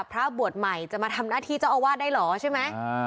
พระบวชใหม่จะมาทำหน้าที่เจ้าอาวาสได้เหรอใช่ไหม